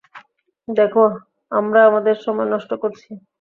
দেখো, আমরা আমাদের সময় নষ্ট করছি।